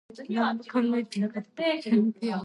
әмма хатын көйлим дип, әниеңнең рәнҗешен алу ярамас.